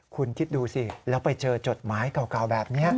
คุณคิดดูสิแล้วไปเจอจดหมายเก่าแบบนี้